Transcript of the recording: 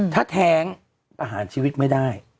ถ้าแท้งประหารชีวิตไม่ได้